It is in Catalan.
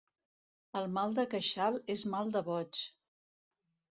El mal de queixal és mal de boig.